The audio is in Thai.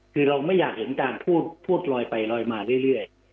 คือเราไม่อยากเห็นการพูดพูดลอยไปลอยมาเรื่อย